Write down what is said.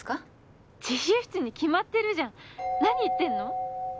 ☎自習室に決まってるじゃん何言ってんの？